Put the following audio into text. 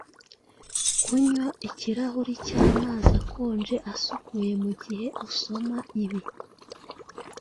Kunywa ikirahuri cyamazi akonje, asukuye mugihe usoma ibi,